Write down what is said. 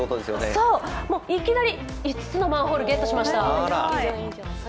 そう、いきなり５つのマンホールゲットしました。